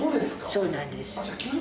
そうなんです。